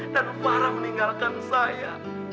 dan farah meninggalkan saya